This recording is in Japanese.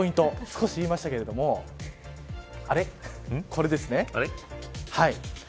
少し言いましたけどこれですね。